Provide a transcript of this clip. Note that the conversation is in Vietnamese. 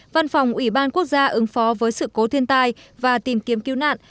văn phòng ủy ban quốc gia ứng phó với sự cố thiên tai và tìm kiếm cứu nạn